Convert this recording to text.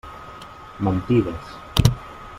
Mentides.